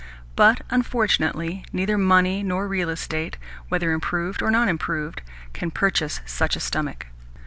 But, unfortunately, neither money nor real estate, whether improved or non improved, can purchase such a stomach.